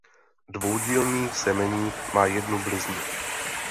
Dvoudílný semeník má jednu bliznu.